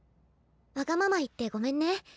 わがまま言ってごめんね。